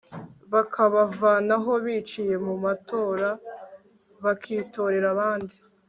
bakabavanaho biciye mu matora bakitorera abandi